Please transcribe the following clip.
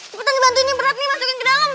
cepetan dibantuin yang berat nih masukin ke dalam